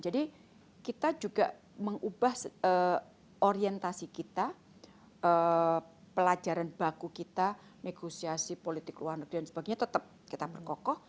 jadi kita juga mengubah orientasi kita pelajaran baku kita negosiasi politik luar negeri dan sebagainya tetap kita perkoko